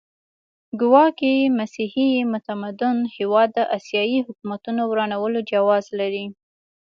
ګواکې مسیحي متمدن هېواد د اسیایي حکومتونو ورانولو جواز لري.